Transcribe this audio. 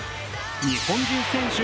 日本人選手